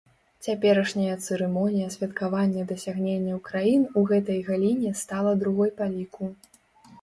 Цяперашняя цырымонія святкавання дасягненняў краін у гэтай галіне стала другой па ліку.